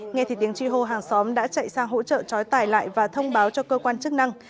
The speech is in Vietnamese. nghe thì tiếng chi hô hàng xóm đã chạy sang hỗ trợ chói tài lại và thông báo cho cơ quan chức năng